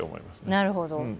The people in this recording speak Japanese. なるほど。